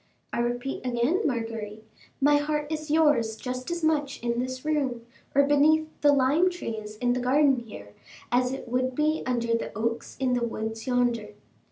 "I repeat again, Marguerite, my heart is yours just as much in this room, or beneath the lime trees in the garden here, as it would be under the oaks in the woods yonder."